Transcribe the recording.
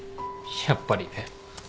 やっぱりね。